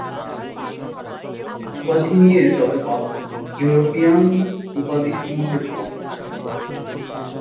উপাধি নিয়ে যত কথা, ইউরোপিয়ান উপাধি সমূহের বর্ণনা